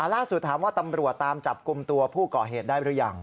ล่าสุดถามว่าตำรวจตามจับกลุ่มตัวผู้ก่อเหตุได้หรือยัง